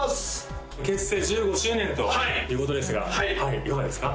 結成１５周年ということですがいかがですか？